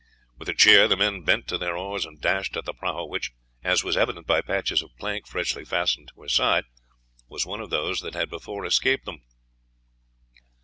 With a cheer the men bent to their oars, and dashed at the prahu which, as was evident by patches of plank freshly fastened to her side, was one of those that had before escaped them.